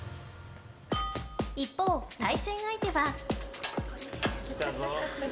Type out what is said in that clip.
一方、対戦相手は。